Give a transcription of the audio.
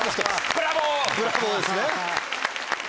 ブラボーですね。